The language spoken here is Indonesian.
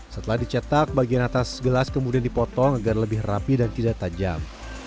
setelah dicetak bagian atas gelas kemudian dipotong agar lebih rapi dan tidak tajam